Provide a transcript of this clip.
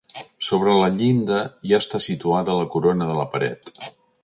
Sobre la llinda ja està situada la corona de la paret.